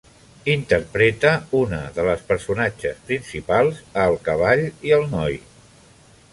Interpreta una de les personatges principals a "El cavall i el noi".